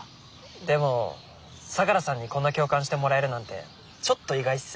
でも相良さんにこんな共感してもらえるなんてちょっと意外っす。